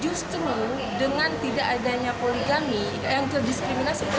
justru dengan tidak adanya poligami yang kediskriminasi perempuan